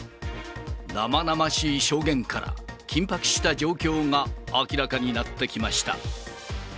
生々しい証言から、緊迫した状況が明らかになってきました。